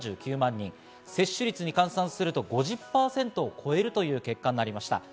接種率に換算すると５０％を超える結果になりました。